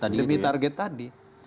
demi target tadi